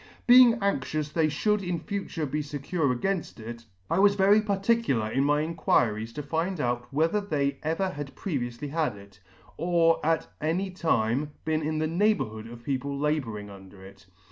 Being anxious they ihould in future be fecure againft it, I was very particular in my inquiries to find out whether they ever had previouily had it, or at any time been in the neighbourhood of people labouring under it.